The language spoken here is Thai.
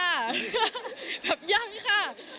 แบบยังค่ะ